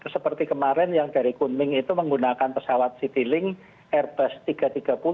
seperti kemarin yang dari kunming itu menggunakan pesawat citilink airbus tiga ratus tiga puluh a tiga ratus tiga puluh